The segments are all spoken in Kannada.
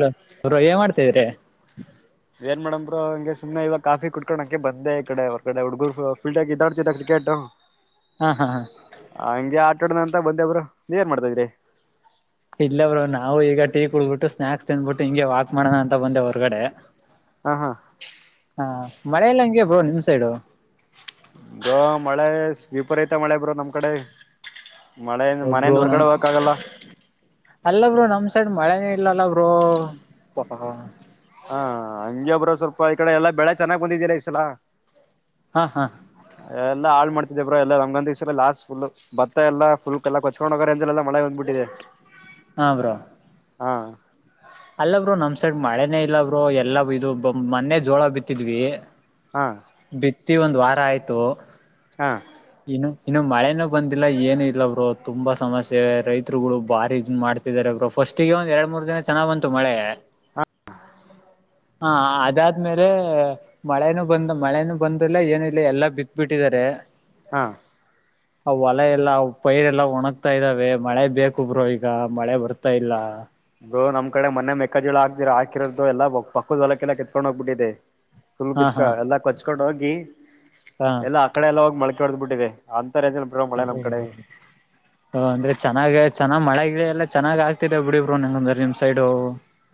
ಹಲೋ ಬ್ರೋ ಏನ್ ಮಾಡ್ತಿದ್ರಿ ಏನ್ ಮೇಡಮ್ ಬರೋ ಹಂಗೆ ಸುಮ್ಮನೆ ಇವಾಗ ಕಾಫಿ ಕುಟ್ಕುಕ ಬಂದ ಈ ಕಡೆ ಹೊರ ಕಡೆ ಹುಡುಗರು ಫೀಡ್ಡ ಇದ್ದಾಡ್ತಿದ ಕ್ರಿಕೆಟ್ ಹಾ ಹಾ ಹಾ ಹಂಗೆ ಆಟ ಆಡದ ಅಂತ ಬಂದೆಬ್ರು ನೀವ ಏನ್ ಮಾಡ್ತಾಿದ್ರಿ ಇಲ್ಲ ಬೋ ನಾವು ಈಗ ಟೀ ಕುೂಡ್ಬಿಟ್ಟು ಸ್ನಾಕ್ಸ್ ತಂದ್ಬಿಟ್ಟು ಹಿಂಗೆ ವಾಕ್ ಮಾಡೋಣ ಅಂತ ಬಂದೇ ಹೊರಗಡೆ ಹಾ ಹಾ ಹ ಮಳೆಯಲ್ಲ ಹಂಗೆ ಬ್ರೋ ನಿಮ್ ಸೈಡು ಬ್ರೋ ಮಳೆ ವಿಪರೀತ ಮಳೆ ಬ್ರೋ ನಮ್ ಕಡೆ ಮಳೆ ಒ ಬ್ರೋ ಮನೆಯಿಂದ ಹೊರ್ಗಡೆ ನಮ ಹೋಗಕ್ ಆಗಲ್ಲ ಅಲ್ಲ ಬೋ ನಮಸ್ ನಮ್ ಸೈಡ್ ಮಳೆನ ಇಲ್ಲಲ್ಲ ಬ್ರೋ [unintelligible] ಹಾ ಹಾಂಗೆ ಬ್ರೋ ಸ್ವಲ್ಪ ಈ ಕಡೆ ಎಲ್ಲಾ ಬೆಳೆ ಚೆನ್ನಾಗ್ ಬಂದಿದ್ದೀರಾ ಈಸಲ ಹಾ ಹಾ ಎಲ್ಲ ಹಾಳ್ ಮಾಡ್ತ ಬ್ರೋ ಎಲ್ಲ ಒಂಗೊಂದ ದಿವ್ಸ ಲಾಸ್ಟ್ ಫುಲ್ ಭತ್ತ ಎಲ್ಲ ಫುಲ್ ಎಲ್ಲ ಕೊಕೊಂಡಗರಲ್ಲ ಮಳೆ ಬಂದ್ಬಿಟ್ಟಿದೆ [unintelligible] ಹಾ ಬ್ರೋ ಹಾ ಅಲ್ಲ ಬ್ರೋ ನಮ್ ಸೈಡ್ ಮಳೆನೆೇ ಇಲ್ಲ ಬ್ರೋ ಎಲ್ಲಾ ಇದು ಮೊನ್ನೆ ಜೋಳ ಬಿತ್ತಿದ್ವಿ ಹಾ ಪ್ರತಿ ಒಂದು ವಾರ ಆಯ್ತು ಹಾ ಇನ್ನು ಇನ್ನು ಮಳೆನ ಬಂದಿಲ್ಲ ಏನು ಇಲ್ಲ ಬ್ರರು ತುಂಬಾ ಸಮಸ್ಯೆ ರೈತರುಗಳು ಬಾರಿ ಮಾಡ್ತಿದಿದ್ದಾರೆರು ಫಸ್ಟಗೆ ಒಂದ್ ಎರಡ್ ಮೂರ್ ದಿನ ಚೆನ್ನ ಬಂತು ಮಳೆ [unintelligible] ಹಾ ಅದಾದ್ಮೇಲೆ ಮಳೆನೂ ಬಂದ ಮಳೆನೂ ಬಂದಲ್ಲ ಏನ ಇಿಲ್ಲ ಎಲ್ಲಾ ಬಿತ್ ಬಿಿಟ್ಟಿದಿದ್ದಾರೆ ಹಾ ಆ ಹೊಲ ಎಲ್ಲ ಪೈರ್ ಎಲ್ಲಾ ಒಣಗ್ತಾ ಇದಾವೆ ಮಳೆ ಬೇಕು ಬ್ರೋ ಈಗ ಮಳೆ ಬರ್ತಾ ಇಲ್ಲ ಬ್ರೋ ನಮ್ಮ ಕಡೆ ಮೊನ್ನೆ ಮೆಕ್ಕ ಜೋಳ ಹಾದಿರ ಹಾಕಿರೋದು ಎಲ್ಲ ಪಕ್ಕದೊಲಕ್ಕೆಲ್ಲ ಕತ್ೊಂಡ ಹೋಗ್ಬಿಟ್ಟಿದೆ ಫುಲ್ ಹಾ ಕಿಚ್ಕ ಹಾ ಎಲ್ಲಾ ಕೊಚ್ಕೊಂಡ ಹೋಗಿ ಹಾ ಎಲ್ಲಾ ಆ ಕಡೆ ಎಲ್ಲ ಹೋಗಿ ಮಳಕೆ ಹೊಡೆ್ದ್ ಬಿಟ್ಟಿದೆ ಅ [unintelligible] ಹ ಅಂದ್ರೆ ಚೆನ್ನಾಗ ಚನ ಮಳೆ ಎಲ್ಲ ಚೆನ್ನಾಗ ಆಗ್ತಿರ ಬಿಡಿಬ್ರಂಗ ಅಂದ್ರ ನಿಮ್ ಸೈಡ್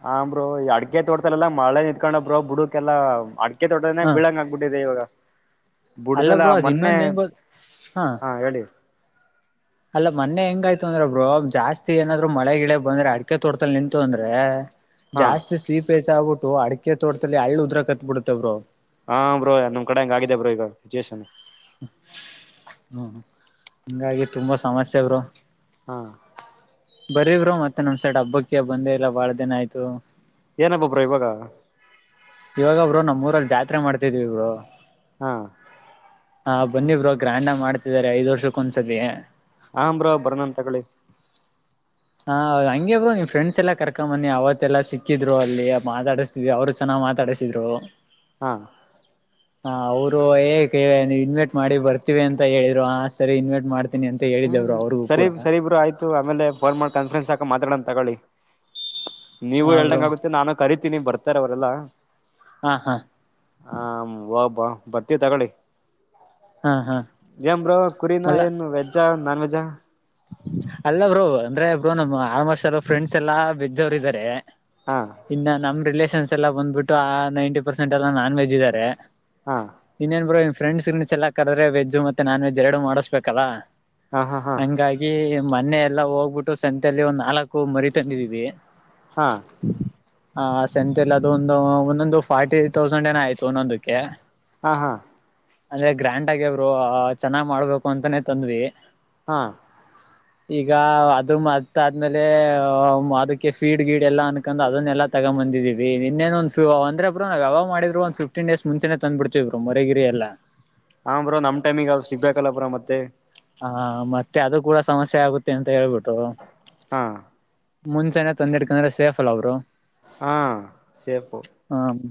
ಹ ಬ್ರೋ ಈ ಅಡ್ಗೆ ತೋರ್ತಲಲ್ಲಾ ಮಳೆ ನಿಂತ್ಕೊಂಡ ಬ್ರೋ ಬುಡಕಲ್ಲಾ ಅಡ್ ಮಡಿಕೆ ತೊಟದನೀ ಹಾ ಬಿಳಂಗಗೆ ಆಗ್ಬಿಟ್ಟಿದೆ ಇವಾಗ ಅಲ್ಲ ಬುಡ್ದಲ್ಲ ಬ್ರೋ ಅದ್ ಮೊನ್ನೆ ಇನ್ನೊಂದ್ ಏನ್ ಗೊತ್ ಹಾ ಹೇಳಿ ಅಲ್ಲ ಮೊನ್ನೆ ಹಂಗೆ ಆಯ್ತು ಅಂದ್ರೆ ಬ್ರೋ ಜಾಸ್ತಿ ಏನಾದ್ರು ಮಳೆ ಗಿಳ ಬಂದ್ರೆ ಅಡಿಕೆ ತೋರ್ತಲ್ ನಿಂತು ಅಂದ್ರೆ ಹಾ ಜಾಸ್ತಿ ಸಿಹಪೇ್ ಆಗ್ಬಿಟ್ಟು ಅಡಿಕೆ ತೋಟದಲ್ಲಿ ಹಳ್ಳು ಉದ್ರಾ ಕತ್ಬಿಡತ ಬ್ರೋ ಹಾ ಬ್ರೋ ನಮ್ ಕಡೆ ಹಂಗ ಆಗಿದೆ ಬ್ರೋ ಈಗ ಸಿಚುವೇೇಶನ್ [unintelligible] ಹ್ಮ ಹಂಗಾಗಿ ತುಂಬಾ ಸಮಸ್ಯೆ ಬ್ರೋ ಹಾ ಬರೀ ಬ್ರೋ ಮತ್ತೆ ನಮ್ ಸೈಡ್ ಹಬ್ಬಕ್ಕ ಬಂದೇ ಇಲ್ಲ ಬಾಳ ದಿನ ಆಯ್ತು ಏನು ಹಬ್ಬ ಬ್ರೋ ಇವಾಗ ಇವಾಗ ಬ್ರೋ ನಮ್ಮೂರಲ್ಲಿ ಜಾತ್ರೆ ಮಾಡ್ತಿದ್ವಿ ಬ್ರೋ ಹಾ ಹಾ ಬನ್ನಿ ಬ್ರೋ ಗ್ರ್ಯಾಂಡ ಮಾಡ್ತಿದ್ದಾರೆ ಐದ್ ವರ್ಷಕ್ಕ ಒಂದು ಸಾಲೇ ಹ್ ಬ್ರೋ ಬರ್ನತಗಳಿ ಹಾ ಹಂಗೆ ಬ್ರೋ ನೀ ಫ್ರೆಂಡ್ಸ್ ಎಲ್ಲ ಕರ್ಕೊ್ಂಬನ್ನಿ ಅವತ್ತೆಲ್ಲಾ ಸಿಕ್ಕಿದ್ರು ಅಲ್ಲಿ ಮಾತಾಡಿಸತಿದವಿ ಅವ್ರು ಚೆನ್ನ ಮಾತಾಡಿಸಿದ್ರು ಹಾ ಹ ಅವರು ಏಕೆ ನೀವು ಇನ್ವೈಟ್ ಮಾಡಿ ಬರ್ತೀವಿ ಅಂತ ಹೇಳಿದ್ರು ಆ ಸರಿ ಇನ್ವೈಟ್ ಮಾಡ್ತ ಹ್ಮ್ ಸರಿ ಸರಿಬ್ರು ಆಯ್ತು ಆಮೇಲೆ ಫೋನ್ ಮಾಡಿ ಕಾನ್ಫರೆನ್ಸ್ ಹಾಕ ಮಾತಾಡೋಂತ ತಗೊಳ್ಳಿ ನೀವು ಹಾ ಬ್ರೋ ಹೇಳ್ದಂಗ ಆಗುತ್ತೆ ನಾನು ಕರಿತೀನಿ ಬರ್ತಾರೆ ಅವರೆಲ್ಲಾ ಹಾ ಹಾ ಹ ಬರ್ತೀವಿ ತಗೊಳ್ಳಿ ಹಾ ಹಾ ಏನ್್ರ ಕುರಿನಾ ಅಲ್ಲ ಏನು ವೆಜ್ಜಾ ನಾನ್ ವೆಜ್ಜಾ ಅಲ್ಲ ಬ್ರೋ ಅಂದ್ರೆ ಬ್ರೋ ನಮ್ಮ ಆರಮರ್ಷ ಎಲ್ಲ ಫ್ರೆಂಡ್ಸ್ ಎಲ್ಲಾ ಬೆಜೋರು ಇದಾರೆ ಹಾ ಇನ್ನ ನಮ್ ರಿಲೇಷನ್ಸ್ ಎಲ್ಲ ಬಂದ್ಬಿಟ್ಟು ಆ ನೈಂಟಿ ಪರ್ಸೆಂಟ್ ಎಲ್ಲ ನಾನ್ ವೆಜ್ ಇದ್ದಾರೆ ಹಾ ಇನ್ನೇನ್ ಬರೋ ಇನ್ ಫ್ರೆಂಡ್ಸ್ ಚ ಎಲ್ಲ ಕಡದೆ ವೆಜ್ ಮತ್ತ ನಾನ್ ವೆಜ್ ಎರಡು ಮಾಡಿಸ್ಬೇಕಲ್ಲಾ ಹಾ ಹಾ ಹಾ ಮೊನ್ನೆ ಎಲ್ಲಾ ಹೋಗ್ಬಿಟ್ಟು ಸಂತೆಯಲ್ಲಿ ಒಂದ್ ನಾಲ್ಕು ಮರಿ ತಂದಿದೀವಿ ಹಾ ಹ ಸೆಂತಲ್ಲ ಅದು ಒಂದು ಒಂದೊಂದು ಫಾರ್ಟಿ ತೌಸಂಡ್ ಏನ ಆಯ್ತು ಒಂದೊಂದಕ್ಕೆ ಹಾ ಹಾ ಅಂದ್ರೆ ಗ್ರ್ಯಾಂಡ್ ಆಗ್ಯಬ್ರು ಚೆನ್ನಾಗ್ ಮಾಡ್ಬೇಕು ಅಂತಾನೇ ತಂದ್ವಿ ಹಾ ಈಗ ಅದು ಮತ್ತ ಆದ್ಮೇಲೆ ಅದಕ್ಕೆ ಫೀಡ್ ಗೀಡ್ ಎಲ್ಲಾ ಅನ್ಕ್ ಅದನ್ನೆಲ್ಲ ತಗ ಬಂದಿದೀವಿ ನಿನ್ನೇನ್ ಒಂದಂದ್ರ ಬ್ರ ನಾವ ಯಾವ ಮಾಡಿದ್ರು ಒ ಫ್ಟೀನ್ ಡೇ ಮುಚೆ ತಂದ್ ಬಿಡ್ತೀರು ಮರಗಿ ಎಲ್ಲ ಲ್ಲ ಹಾ ಬ್ರೋ ನಮ್ ಟೈಮಿಗೆ ಸಿಗ್ಬೇಕಲ್ಲ ಬ್ರ ಮತ್ತೆ ಹಾ ಮತ್ತೆ ಅದು ಕೂಡ ಸಮಸ್ಯೆ ಆಗುತ್ತೆ ಅಂತ ಹೇಳ್ಬಿಟ್ಟು ಹಾ ಮುಂಚೆ ತ ಒಂದೆರಡ್ಕಂದ್ರೆ ಸೇಫ ಅಲ್ಲ ಅವರು ಹಾ ಸೇಪು ಹ್ಮ್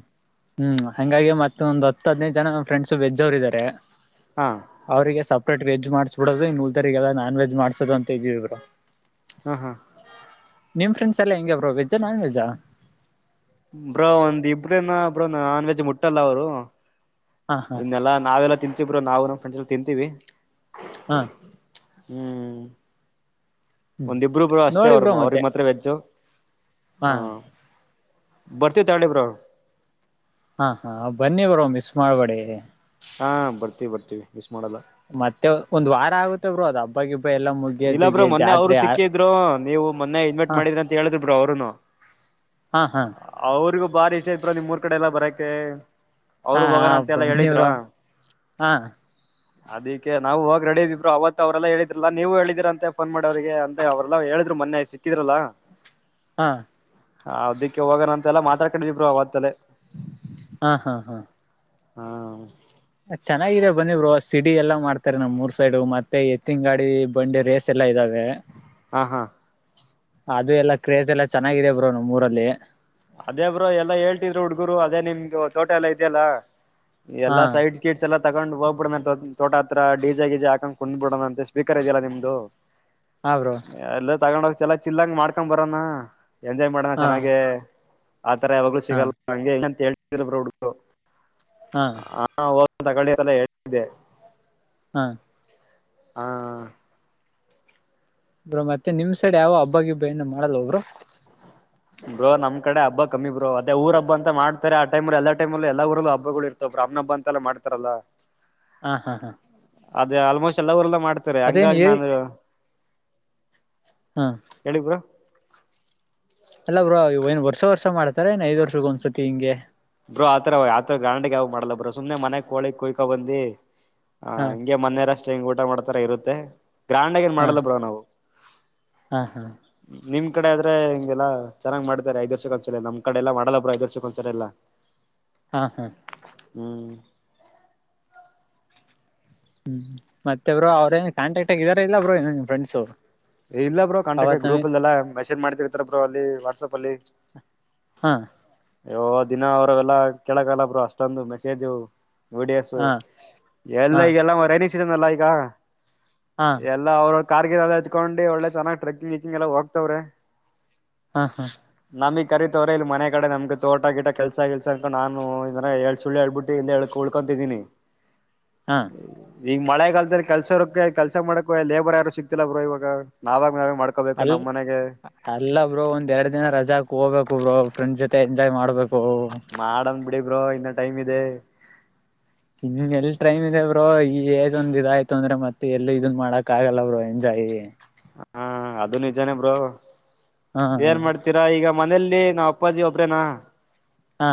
ಹ್ಮ್ ಹಂಗಾಗಿ ಮತ್ತೊಂದ್ ಹತ್ತು ಹದ್ದು ಜನ ನಮ್ಮ್ ಫ್ರೆಂಡ್ಸ್ ಬೆಜ್ ಅವ್ರು ಇದಾರೆ ಹಾ ಅವರಿಗೆ ಸಪ್ರೇಟ್ ವೆಜ್ ಮಾಡ್ ನಡೋದು ಮೂಲ್ದಾರ ಎಲ್ಲ ನಾನ್ ವೆಜ್ ಮಾಡ್ಸೋದ ಅಂತ ಇದೀವಿ ಇ್ರರು ಹ್ಮ ಹಾ ನಿಮ್ ಫ್ರೆಂಡ್ಸ್ ಎಲ್ಲ ಹೆಂಗಗೆ ಬ್ರೋ ವೆಜ್ಜಾ ನಾನ್ ವೆಜ್ಜಾ ಬ್ರೋ ಒಂದ್ ಇಬ್ರೇನ ಬ್ರೊ ನಾನ್ ವೆಜ್ ಮುಟ್ಟಲ್ಲ ಅವರು ಹಾ ಹಾ ಇನ್ನೆಲ್ಲಾ ನಾವೆಲ್ಲಾ ತಿಂತೀವರು ನಾವು ನಮ್ಮ್ ಫ್ರೆಂಡಸ್ ಎಲ್ಲ ತಿಂತೀವಿ ಹಾ ಹ್ಮ್ ಹ್ಮ್ ಒಂದಿಬರುಬ್ರು ಅಷ್ಟೇ ನೋಡಿ ಅವರು ಬ್ರೋ ಮತ್ತೆ ಅವ್ರಿಗೆ ಮಾತ್ರ ವೆಜ್ಜು ಹಾ ಬರ್ತೀವಿ ತಾಳ್ಳೆ ಬ ಹಾ ಹಾ ಬನ್ನಿ ಬರೋ ಮಿಸ್ ಮಾಡ್ಬೇಡಿ ಹಾ ಬರ್ತೀವಿ ಬರ್ತೀವಿ ಮಿಸ್ ಮಾಡಲ್ಲ ಮತ್ತೆ ಒಂದ್ ವಾರ ಆಗುತ್ತೆ ಬರು ಅದು ಹಬ್ಬಗೆ ಇಲ್ಲ ಬ್ರೋ ಮೊನ್ನೆ ಅವರು ಸಿಕ್ಕಿದ್ರು ನೀವು ಮೊನ್ನೆ ಇಡ್ಮೆಟ್ ಹಾ ಮಾಡಿದ್ರಿ ಅಂತ ಹೇಳಿದ್ರಿ ಬ್ರೋ ಅವರುನು ಹಾ ಅವ್ರರಿಿಗೂ ಬಾರಿ ಇಷ್ಟ ಇದ್ರ ನಿಮ್ ಮೂರ್ ಕಡೆ ಎಲ್ಲ ಬರತೆ ಹಾ ಅವರು ಹಾ ಹೋಗೋಣ ಅಂತೆ ಎಲ್ಲ ಬನ್ನಿ ಹೇಳಿದ್ರ ಬ್ರೋ ಹಾ ಅದಿಕ್ಕೆ ನಾವು ಹೋಗಿ ರೆಡಿದ್ರರು ಅವತ್ ಅವ್ರಲ್ಲಾ ಹೇಳಿದ್ರಲ್ಲಾ ನೀವು ಹೇಳಿದೀರ ಅಂತೆ ಫೋನ್ ಮಾಡ ಅವ್ರಿಗೆ ಅಂತ ಅವ್ರಲ್ಲ ಹೇಳಿದ್ರು ಮೊನ್ನೆ ಸಿಕ್ಕಿದ್ರಲ್ಲ ಹಾ ಹ ಅದಿಕ್ಕೆ ಹೋಗಣಂತೆ ಎಲ್ಲಾ ಮಾತಾಡ್ಕೊಂಡ ವಿಪ್ರ ಅವತ್ತಲೆ ಹಾ ಹಾ ಹಾ ಹಾ ಚೆನ್ನಾಗಿದೆ ಬಂದಿವರು ಸಿಡಿ ಎಲ್ಲಾ ಮಾಡ್ತಾರೆ ನಮ್ ಮೂರ್ ಸೈಡ್ ಮತ್ತೆ ಎತ್ತಿನ ಗಾಡಿ ಬಂಡಿ ರೇಸ್ ಎಲ್ಲಾ ಇದಾಗ ಹಾ ಹಾ ಅದು ಎಲ್ಲಾ ಕ್ರೇಜ ಎಲ್ಲ ಚೆನ್ನಾಗಾಗಿದೆ ಬ್ರೋ ನಮ್ಮ್ ಊರಲ್ಲಿ ಅದೇ ಬ್ರೋ ಎಲ್ಲಾ ಹೇಳ್ತಿದ್ರು ಹುಡ್ಗರು ಅದೇ ನಿಮ್ದು ತೋಟ ಎಲ್ಲಾ ಇದೆಯಲ್ಲ ಹಾ ಎಲ್ಲ ಸೈಡ್ಸ್ ಗಿಡ್ಸ್ ಎಲ್ಲ ತಗೊಂಡ್ ಹೋಗ್ಬಿಡೋ ತೋಟ ಹತ್ರ ಡಜೆ ಗೀಜೆ ಹಾಕೊಂಡ್ ಕುೊಂಡ್ಬಿಡದ ಅಂತೆ ಸ್ಪಕರ್ ಇದೆಯಾ ನಿಮ್ದು ಹಾ ಬ್ರೋ ಎಲ್ಲ ತಗೊಂಡ ಹೋಗ ಚೆಲ ಚಿಲ್ಲಂಗ ಮಾಡ್ಕೊಂಡ್ ಬರೋನ ಎಂಜಾಯ್ ಮಾಡನ ಹಾ ಚೆನ್ನಾಗೆ. ಆತರ ಯಾವಾಗ್ಲೂ ಹಾ ಸಿಗಲ್ಲ ಅಂತ ಹೇಳ್ತಿದ್ರು ಹುಡುರು. ಹಾ [unintelligible] ಹೇಳ್ತಿದ್ದೆ. ಹಾ ಹಾ ಬ್ರೋ ಮತ್ತೆ ನಿಮ್ ಸೈಡ್ ಯಾವೋ ಹಬ್ಬಗಿಬ್ಬ ಏನು ಮಾಡಲ್ವ ಬ್ರೋ. ಬ್ರೋ ನಮಮ್ಮ ಕಡೆ ಹಬ್ಬ ಕಮ್ಮಿ ಬ್ರೋ ಅದೇ ಊರ್ ಹಬ್ಬ ಅಂತ ಮಾಡ್ತಾರೆ ಆ ಟೈಮ್ಲ್ಲಿ ಎಲ್ಲ ಟೈಮ್ಲ್ಲ ಎಲ್ಲ ಊರು ಹಬ್ಬಗಳು ಇರ್ತವೆ. ರಾಮ್ನಬ್ಬ ಅಂತೆಲ್ಲ ಮಾಡ್ತಾರಲ್ಲ. ಹಾ ಹಾ ಹಾ ಅದ ಆಲ್ಮೋಸ್ಟ್ ಎಲ್ಲಾ ಊರಲ್ಲೂ ಮಾಡ ಮಾಡತಾರೆ ಅದೇನ್ ಹಂಗಾಗಿ ಹೇಳಿ ನಾನು ಹಾ ಹೇಳಿ ಬ್ರೋ. [inaudible] ಅಲ್ಲಾ ಬ್ರೋ ಇ ಏನ್ ವರ್ಷ ವರ್ಷ ಮಾಡ್ತಾರೆ ಏನ್ ಐದ ವರ್ಷಕ್ಕೆ ಒಂದ್ಸುತ್ತತಿ ಹಿಂಗೆ. ಬ್ರೋ ಆತರ ಆತರ ಗ್ರ್ಯಾಂಡ್ ಆಗಿ ಯಾವ್ದು ಮಾಡಲ್ಲ ಬ್ರೋ ಸುಮ್ನೆ ಮನೆ ಕೋಳಿ ಕುಯ್ಕೊ ಬಂದಿ. ಹಾ ಹಿಂಗೆ ಮೊನೆಯವರಷ್ಟೇ ಹಿಂಗ್ ಊಟ ಮಾಡ್ತಾರ ಇರುತ್ತೆ. ಗ್ರ್ಯಾಂಡ್ ಆಗ ಏನ್ ಹಾ ಮಾಡಲ್ಲ ಬ್ರೋ ನಾವು ಹಾ ಹಾ ನಿಮ್ ಕಡೆ ಆದ್ರೆ ಹಿಂಗೆಲ್ಲ. ಚೆನ್ನ್ ಮಾಡತಾರೆ ಐದು ವರ್ಷಕ್ಕ ಒಂದ್ ಸರಿ ನಮ್ಮ ಕಡೆ ಎಲ್ಲ ಮಾಡಲ್ಲ ಬ್ರೋ ಐದ ವರ್ಷ ಒಂದ ಸರಿ ಎಲ್ಲಾ. ಹಾ ಹಾ ಹ್ಮ್ ಹ್ಮ್ ಮತ್ತೆ ಬ್ರೋ ಅವ್ರೇನ್ ಕಾಂಟ್ಯಾಕ್ಟ್ ಇದರೋ ಇಲ್ಲ ಬ್ರೋ ನಿಮ್ ಫ್ರೆಂಡ್ಸು. ಇಲ್ಲ ಬ್ರೋ ಕಂಟಕ್ ಗ್ರೂಪ್ ಅಲ್ ಎಲ್ಲಾ ಮೆಸೇಜ್ ಮಾಡ್ತಿರ್ರ ಬ್ರೋ ಅಲ್ಲಿ ವಾಟ್ಸಪ್ ಅಲ್ಲಿ. ಹಾ ದಿನ ಅವ್ರವೆಲ್ಲಾ ಕೇಳಕಲ್ಲ ಬ್ರೋ ಅಷ್ಟೊಂದು ಮೆಸೇಜು. ವೀಡಿಯೋಸ್ ಹಾ ಎಲ್ಲ ಹಾ ಈಗ ಎಲ್ಲ ರೈನಿ ಸೀಸನ್ ಅಲ್ಲ ಈಗ. ಹಾ ಎಲ್ಲ ಅವರು ಕಾರ್ಗಿ ಹಕೊಂಡು ಒಳ್ಳೆ ಚೆನಾಗ್ ಟ್ರೆಕ್ಕಿಂಗ್ ಎಕ್ಕಂಗ ಎಲ್ಲ ಹೋಗ್ತವ್ರೆ. ಹಾ ಹಾ ನಮಗ್ ಕರಿ ತವ್ರ ಇಲ್ಲಿ ಮನೆ ಕಡೆ ನಮ್ಗೆ ತೋಟ ಗಿಟ ಕೆಲಸ ಕೆಲ್ಸ ಅಕೊಂಡು ನು ಇದ ಹೇಳಳ್ ಸುಳ್ಳ ಹೇಳ್ಬಿಟ್ಟು ಇ ಹಳ್ಕ ಉಳ್ಕೊತಿದ್ದೀನಿ. ಹಾ ಈಗ ಮಳೆಗಾಲದಲ್ಲಿ ಕೆಲ್ಸೋರಕ ಕೆಲ್ಸ ಮಾಡಕ ಲೇಬರ್ ಯಾರು ಸಿಕ್ತಿಲ್ಲ ಬ್ರೋ ಇವಾಗ ನಾವಾಗ. ನಾವೇ ಮಾಡ್ಕೋಬೇಕು ಅಲ್ ನಮ್ ಮನೆಗೆ ಅಲ್ಲ ಬ್ರೋ ಒಂದ್ ಎರಡ್ ದಿನ ರಜಾ ಹಾಕ್ ಹೋಗ್ಬೇಕು ಬ್ರೋ. ಫ್ರಂಡ್ ಜೊತೆ ಎಂಜಾಯ್ ಮಾಡಬೇಕು. ಮಾಡಡನ್ ಬಿಡಿ ಬ್ರೋ ಇನ್ನ ಟೈಮ್ ಇದೆ. ಇನ್ ಎಲ್ ಟ್ರೈಮ್ ಇದೆ ಬ್ರೋ ಈ ಏಜ್ ಒಂದು ಇದಾಯ್ತು ಅಂದ್ರೆ ಮತ್ತೆ ಎಲ್ಲ ಇದನ್ ಮಾಡಕ್ ಆಗಲ್ಲ ಬ್ರೋ ಎಂಜಾಯ್. [unintelligible] ಹಾ ಅದು ನಿಜಾನೇ ಬ್ರೋ ಹಾ ಏನ್ ಮಾಡ್ತೀರಾ ಈಗ ಮನೇಲಿ. [unintelligible] ನಮ್ಮ ಅಪ್ಪಾಜಿ ಒಬ್ರೇನಾ ಹಾ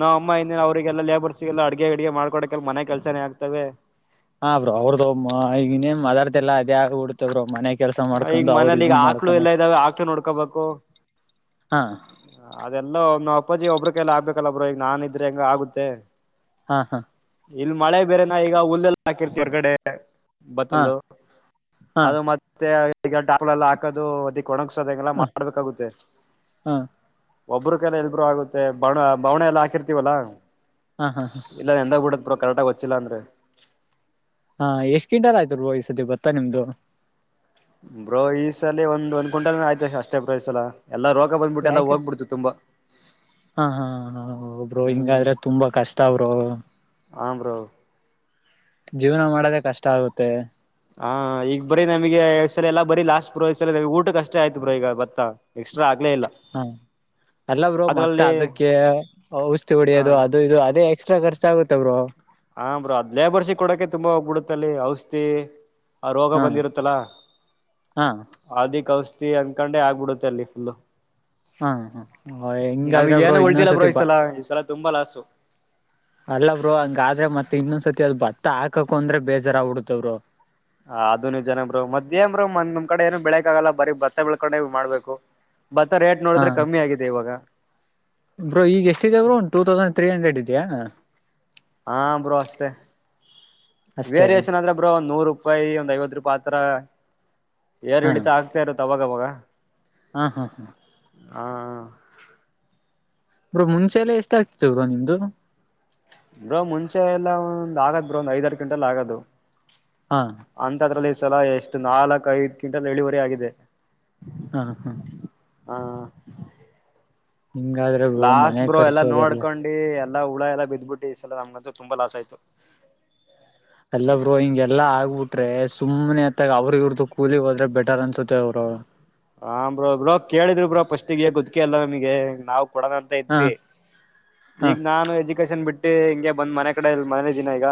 ನಾ ಅಮ್ಮ. [unintelligible] ಅವ್ರರಿಗೆಲ್ಲ ಲೇಬರ್ಸ್ಗೆಲ್ಲ ಅಡುಗೆ ಅಡುಗೆ ಮಾಡ್ಕೊಕೆ ಮನೆ ಕೆಲಸನೇ ಆಗ್ತವೆ. ಹಾ ಬ್ರೋ ಅವ್ರ್ದುಗನ್ನೇನ್ ಮದರ್ ಎಲ್ಲಾ ಅದೇ ಆಗಿ ಬಿಡುತ್ತೆ ಬ್ರೋ ಮನೆಗೆ. ಕೆಲ್ಸ ಈಗ ಮಾಡ್ಕೊಂಡು ಅವರು ಮನೇಲಿ ಈಗ ಇದನ್ ಆಕ್ಳು ಮಾಡ್ಕನ. ಎಲ್ಲ ಇದಾವೆ ಆಕ್ಳು ನೋಡ್ಕೋಬೇಕು ಹಾ ಅದೆಲ್ಲ ಅಪ್ಪಾಜಿ ಒಬ್ರ ಕೈಯಲ್ಲಿ ಎಲ್ಲ ಆಗ್ಬೇಕಲ್ಲ ಬ್ರೋ ಈಗ ನಾನ್ ಇದ್ರೆ ಹೆಂಗ ಆಗುತ್ತೆ. ಹಾ ಹಾ ಇಲ್ಲಿ ಮಳೆ ಬೇರೆನಾ ಈಗ ಹುಲ್ಲೆಲ್ಲ ಹಾಕಿರ್ತಿವಿ ಹೊರ್ ಕಡೆ. ಹಾ ಬತ್ತಲು ಹಾ ಅದು ಮತ್ತೆೆ [unintelligible] ಹಾಕೋದು ಅದ. ಕೊಣಗಸೋದಂಗಲ್ಲ ಹ ಮಾಡ್ಬೇಕಾಗುತ್ತೆ. ಹಾ ಒಬ್ಬ್ರ ಕೈಯಲ್ಲಿ ಇಲ್ಲಿ ಬ್ರೋ ಆಗುತ್ತೆ ಬಣ ಬವಣೆ ಎಲ್ಲ ಹಾಕಿರ್ತೀವಲ್ಲಾ ಹಾ ಹಾ ಇಲ್ಲ ನೆಂದೋಗಿ ಬಿಡುತ್ತ. [unintelligible] ಕರೆಕ್ಟ್ ಆಗಿ ಹೊಚ್ಚಿಲ್ಲ ಅಂದ್ರೆ. ಹಾ ಎಷ್ಟ್ ಕಿಂಟಲ್ ಆಯ್ತ ಬ್ರೋ ಈಸತಿ ಭತ್ತ ನಿಮ್ದು. ಬ್ರೋ ಈ ಸಲಿ ಒಂದ ಒಂದ್ ಕ್ವಿಂಟಾಲಾ ಆಯ್ತು ಅಷ್ಟೇ ಬ್ರೋ ಈ ಸಲಾ. ಎಲ್ಲ ರೋಗ ಬ್ಯಾಂಡ್ಬಿಟ್ಟು ಎಲ್ಲ ಯಾಕೆ ಹೋಗ್ಬಿಡ್ತು ತುಂಬಾ. ಹಾ ಹಾ ಹ ಒಬ್ರು ಹಿಂಗಾದ್ರೆ ತುಂಬಾ ಕಷ್ಟ ಅವರು ಆ ಬ್ರೋ ಜೀವನ ಮಾಡದ ಕಷ್ಟ ಆಗುತ್ತೆ ಹಾ ಈಗ ಬರೀ ನಮಗೆ್ ಸ ಎಲ್ಲ ಬರಿ ಲಾಸ್ಟ್ ಬೋಸರಿಮ ಊಟ ಕಷ್ಟೇ ಆಯ್ತ್ ಬ್ರೋ ಈಗ ಬತ್ತ ಎಕ್ಸ್ಟ್ರಾ ಆಗ್ಲೇ ಇಲ್ಲ ಹಾ ಎಲ್ಲಬ್ರು ಮತ್ತೆ ಅದ್ರಲ್ಲಿ ಅದಕ್ಕೆ ಔಷಿ ಹ ಹೊಡಿಯೋದು ಅದು ಇದು ಅದೇ ಎಕ್ಸ್ಟ್ರಾ ಖರ್ಚ ಆಗುತ್ತ ಅವ್ರು ಹ ಬ್ರ ಅದ್ ಲೇಬರ್ಸಿಕ್ ಕೊಡಕೆ ತುಂಬಾ ಹೋಗ್ಬಿಡುತ್ತಲ್ಲಿ ಔಷಧಿ ಆ ರೋಗ ಹಾ ಬಂದಿರುತ್ತಲ ಹಾ ಅಧಿಕ ಔಷಿ ಅಂದಕೊಂಡೆ ಆಗ್ಬಿಡುತ್ತೆ ಅಲ್ಲಿ ಫುಲ್ ಹಾ ಹಾ ನಮ್ಗ ಹಿಂಗಾದ್ರೆ ಬ್ರೋ ಏನು ಉಳ್ತಿಲ್ಲ ಬ್ರೋ ಇನ್ನೊಂದ್ಸತಿ ಈ ಸಲ ಈ ಸಲ ತುಂಬಾ ಲಾಸು ಅಲ್ಲವರು ಹಂಗಾದ್ರೆ ಮತ್ತತ್ ಇನ್ನೊಂದ್ಸರ್ತಿ ಅದ ಭತ್ತ ಹಾಕಕ ಅಂದ್ರೆ ಬೇಜಾರ ಬಿಡತವರು ಹ ಅದು ನೀವ್ ಜನಂಬರು ಮಧ್ಯಾಹ ಬ್ರರು ಮಂದ್ ನಿಮ್ ಕಡೆ ಏನು ಬೆಳಕ್ ಆಗಲ್ಲ ಬರೀ ಭತ್ತ ಬೆಳ್ಕೊಂಡೆ ಮಾಡ್ಬೇಕು ಭತ್ತ ರೇಟ್ ಹಾ ನೋಡಿದ್ರೆ ಕಮ್ಮಿ ಆಗಿದೆ ಇವಾಗ ಬ್ರೋ ಈಗ ಎಷ್ಟ ಇದ್ಯಾ ಬ್ರರು ಟೂ ತೌಸಂಡ್ ತ್ರೀ ಹಂಡ್ರೆಡ್ ಇದೆಯಾ ಹಾ ಬ್ರೋಷ್ಟತೆ ಅಷ್ಟೇ ವೇರಿಯೇಷನ್ ಅಂದ್ರೆ ಬ್ರೋ ಒಂದ ನೂರು ರೂಪಾಯಿ ಒಂದ್ ಐವತ್ ರೂಪಾಯಿ ಆತ್ರರ ಯಏರ್ ಹಾ ಹಳಿತ ಆಗ್ತಾ ಇರು ತವಾಗವಾಗ ಹಾ ಹಾ ಹಾ ಅ್ರ ಮುಂಚೆ ಎಲ್ಲ ಎಷ್ಟಾಗಗ್ತತವರು ನಿಮ್ದು ಬ್ರೋ ಮುಂಚೆ ಎಲ್ಲಾ ಒಂದ್ ಆಗ್ ಬ್ರೋ ಒಂದ್ ಐದ್ ಆರಡು ಕಿಂಟಲ್ ಆಗದು ಹಾ ಅಂತ ಅದ್ರಲ್ಲಿ ಸಲ ಎಷ್ಟು ನಾಲ್ಕ್ ಐದ ಕ್ವಿಂಟಲ್ ಇಳುವರಿ ಆಗಿದೆ ಹಾ ಹಾ ಹಾ ಹಿಂಗಾದ್ರೆ ಬ್ರೋ ಲಾಸ್ಟ್ ಮನೆ ಬ್ರೋ ಎಲ್ಲ ಖರ್ಚು ಅದೆಲ್ಲ ನೋಡ್ಕೊಂಡಿ ಎಲ್ಲಾ ಹುಳ ಎಲ್ಲ ಬಿದ್ದ್ಬಿಟ್ಟು ಈ ಎ ನಮ್ಗಂತೂ ತುಂಬಾ ಲಾಸ್ ಆಯ್ತು ಎಲ್ಲ ಬ್ರೋ ಹಿಂಗ ಎಲ್ಲಾ ಆಗ್ಬಿಟ್ರೆ ಸುಮ್ಮನೆ ಅತ್ತಾಗ ಅವ್ರಗ ಇರ್ದುು ಕೂಲಿಗ್ ಹೋದ್ರೆ ಬೆಟರ್ ಅನ್ಸುತ್ತೆ ಅವರು ಹ ಬ್ರೋ ಬ್ರೋ ಕೇಳಿದ್ರು ಬ್ರೋಫಸ್ಟ್ಗೆ ಗೊತ್ಕಲ್ಲಾ ನಮಗೆ ನಾವವು ಕೊಡದಂತ ಹಾ ಇದ್ವಿ ಹಾ ಈಗ ನಾನು ಎಜುಕೇಶನ್ ಬಿಟ್ಟ ಹಿಂಗೆ ಬಂದ್ ಮನೆ ಕಡೆ ಇ ಮನೆಲಿ ದಿನ ಈಗ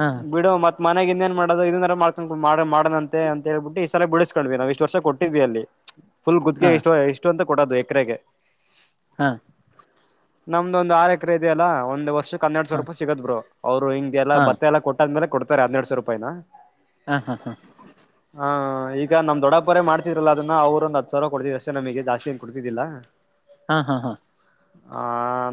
ಹಾ ಬಿಡು ಮತ್ತೆ ಮನೆಗೆ ಇನ್ನೇನ್ ಮಾಡದು ಇದನ್ನಾರರ ಮಾಡ್ಕೊಂಡು ಮಾಡಣಂತೆ ಅಂತ ಹೇಳ್ಬಟ್ಟ ಈ ಸಲ ಬಳಸ್ಕೊಂಡ್ವಿ ನಾವು ಇಷ್ಟ ವರ್ಷ ಕೊಟ್ಟು ಅಲ್ಲಿ ಫುಲ್ ಹಾ ಗುತ್ತಿಗೆ ಎಷ್ಟು ಎಷ್ಟು ಅಂತ ಕೊಡೋದು ಎಕರೆಗೆ ಹಾ ನಮ್ದ ಒಂದಂದು ಆರು ಎಕರೆ ಇದೆಯಲ್ಲ ಒಂದ್ ವರ್ಷಕ್ಕೆ ಹನ್ನರಡ್ ಸಾವರ ಹಾ ರೂಪಾಯಿ ಸಿಗದ್ ಬ್ರರು ಅವ್ರು ಹಿಂಗೆ ಎಲ್ಲ ಹಾ ಬತ್ತ ಎಲ್ಲ ಕೊಟ್ಟಾದ್ಮೇಲೆ ಕೊಡ್ತಾರೆ ಹನ್ನೆರಡ್ ಸಾವರ ರೂಪಾಯ್ ಹಾ ಹಾ ಹಾ ಹಾ ಈಗ ನಮ್ ದೊಡ್ಡಪ್ಪರ ಮಾಡ್ತಿದ್ರಲ್ಲ ಅದನ್ನ ಅವ್ರರುೊಂದ ಹತ್ ಸಾವಿರ ಕೊಡ್ತಿದ್ ಅಷ್ಟೇ ನಮಗೆ ಜಾಸ್ತ ಏನ್ ಕೊಡ್ತಿದ್ದಿಲ್ಲ ಹಾ ಹಾ ಹಾ ಹ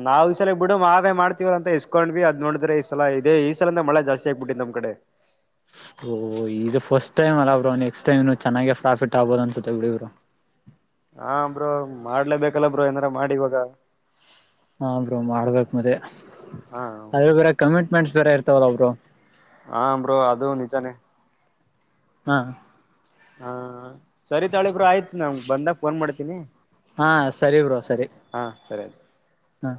ನಾವ್ ಈ ಸಲ ಬಿಡು ಮಾವೇ ಮಾಡ್ತಿವಲ್ ಅಂತ ಇಸ್ಕೊಂಡ್ವಿ ಅದ್ ನೋಡಿದ್ರೆ ಈ ಸಲ ಇದೇ ಈ ಸಲಂದ ಮಳೆ ಜಾಸ್ತಿ ಆಗ್ಬಿಟ್ಟು ನಮ್ಮ್ ಕಡೆ ಓಹ ಇದು ಫಸ್ಟ್ ಟೈಮ್ ಅಲ್ಲ ನೆಸ್ ಟೈಮ್ ಚೆನ್ನೆ ಪ್ರಾಫಿಟ್ ಆಬೋದ ಅನ್ಸುತ್ತೆ ಬಿಡಬರು ಹಾ ಬ್ರರು ಮಾಡ್ಲೇಬೇಕಲ್ಲ ಬ್ರೋ ಏನಾರ ಮಾಡಿ ಇವಾಗ ಮದೆ ಹಾ ಅದ್ರ ಬೇರೆ ಕಮಿಟ್ಮೆಂಟ್ಸ್ ಬೇರೆ ಇರ್ತವಲ್ಲ ಒಬ್ರು ಅಬ್ರೋ ಅದು ನಿಜಾನೇ ಹಾ ಹಾ ಸರಿ ತಾಳಗರು ಆಯ್ತು ನಮ ಬಂದಾಗ ಫೋನ್ ಮಾಡ್ತೀನಿ ಹಾ ಸರಿ ಬ್ರೋ ಸರಿ ಹಾ ಸರಿ ಆಯ್ತು ಹಾ